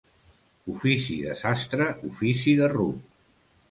Ofici de sastre, ofici de ruc.